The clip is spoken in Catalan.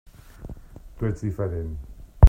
Tu ets diferent.